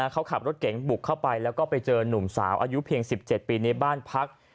เขาขับรถเก๋งบุกเข้าไปแล้วก็ไปเจอนุ่มสาวอายุเพียง๑๗ปีในบ้านพัก